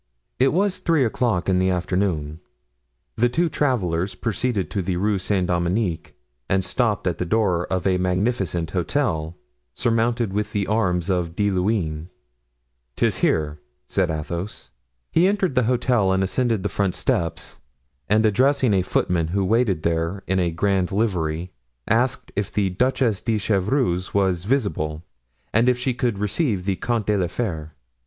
It was three o'clock in the afternoon. The two travelers proceeded to the Rue Saint Dominique and stopped at the door of a magnificent hotel, surmounted with the arms of De Luynes. "'Tis here," said Athos. He entered the hotel and ascended the front steps, and addressing a footman who waited there in a grand livery, asked if the Duchess de Chevreuse was visible and if she could receive the Comte de la Fere?